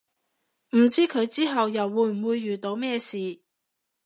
唔知佢之後又會唔會遇到咩事